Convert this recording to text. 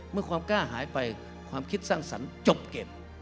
ความกล้าหายไปความคิดสร้างสรรค์จบเกม